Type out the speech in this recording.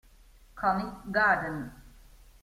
Comic Garden